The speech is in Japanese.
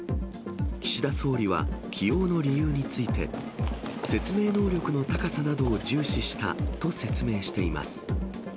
岸田総理は、起用の理由について、説明能力の高さなどを重視したと説明しています。